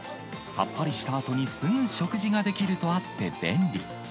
さっぱりしたあとに、すぐ食事ができるとあって便利。